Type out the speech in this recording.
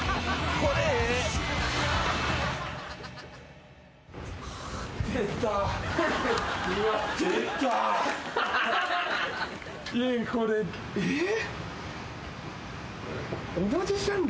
これえっ？